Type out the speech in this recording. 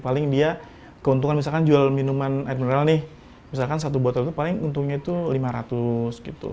paling dia keuntungan misalkan jual minuman air mineral nih misalkan satu botol itu paling untungnya itu lima ratus gitu